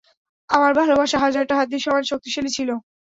আমার ভালোবাসা হাজারটা হাতির সমান শক্তিশালী ছিল!